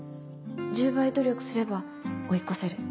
１０倍努力すれば追い越せる。